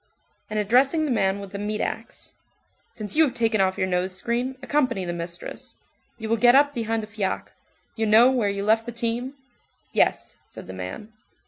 And addressing the man with the meat axe:— "Since you have taken off your nose screen, accompany the mistress. You will get up behind the fiacre. You know where you left the team?" "Yes," said the man.